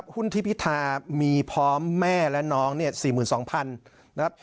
หุ้นที่พิธามีพร้อมแม่และน้องเนี่ย๔๒๐๐๐นะครับ